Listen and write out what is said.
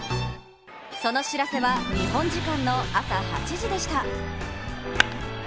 その知らせは、日本時間の朝８時でした。